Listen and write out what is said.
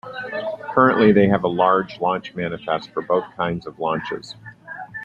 Currently, they have a large launch manifest for both kinds of launches.